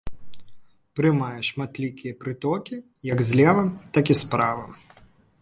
Прымае шматлікія прытокі як злева, так і справа.